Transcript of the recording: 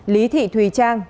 lý thị thùy trang